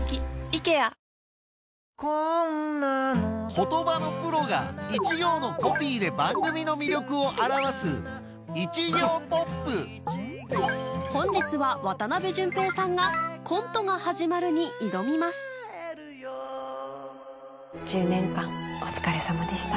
言葉のプロが一行のコピーで番組の魅力を表す本日は渡辺潤平さんが『コントが始まる』に挑みます１０年間お疲れさまでした。